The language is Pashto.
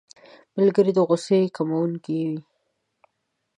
ملګری د غوسې کمونکی وي